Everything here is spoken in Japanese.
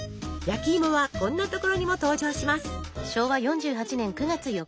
焼きいもはこんな所にも登場します。